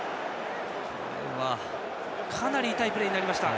かなり痛いプレーになりました。